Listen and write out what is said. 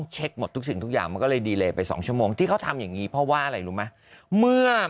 เช็คหมดทุกสิ่งทุกอย่างมันก็เลยดีเลยไป๒ชั่วโมงที่เขาทำอย่างนี้เพราะว่าอะไรรู้ไหม